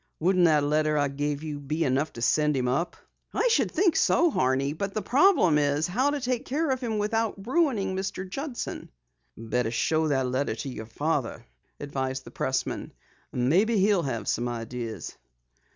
Wouldn't that letter I gave you be enough to send him up?" "I should think so, Horney. But the problem is how to take care of him without ruining Mr. Judson." "Better show the letter to your father," advised the pressman. "Maybe he'll have some ideas."